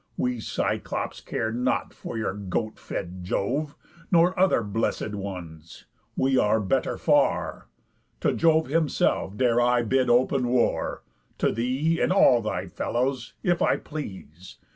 We Cyclops care not for your goat fed Jove, Nor other Bless'd ones; we are better far. To Jove himself dare I bid open war, To thee, and all thy fellows, if I please.